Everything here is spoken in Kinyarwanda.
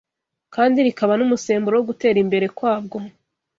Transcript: kandi rikaba n’umusemburo wo gutera imbere kwabwo